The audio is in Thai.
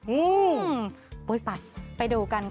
อืมโอ้ยไปไปดูกันค่ะ